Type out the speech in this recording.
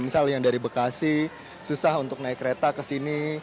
misalnya yang dari bekasi susah untuk naik kereta ke sini